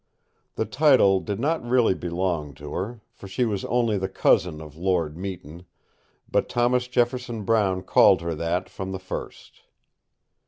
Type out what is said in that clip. The title did not really belong to her, for she was only the cousin of Lord Meton; but Thomas Jefferson Brown called her that from the first.